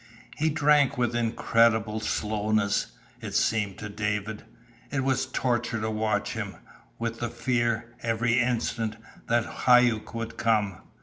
He drank with incredible slowness, it seemed to David. It was torture to watch him, with the fear, every instant, that Hauck would come.